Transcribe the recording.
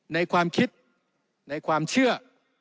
ในความคิดในความเชื่อ